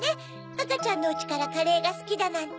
あかちゃんのうちからカレーがすきだなんて。